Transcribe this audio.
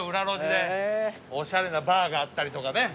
おしゃれなバーがあったりとかね